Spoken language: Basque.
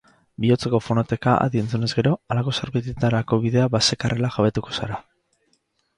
Bihotzeko fonoteka adi entzunez gero, halako zerbaitetarako bidea bazekarrela jabetuko zara.